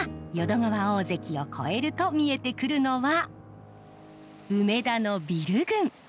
淀川大堰を越えると見えてくるのは梅田のビル群。